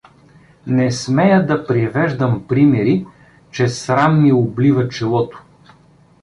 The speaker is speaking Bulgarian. … Не смея да привеждам примери, че срам ми облива челото!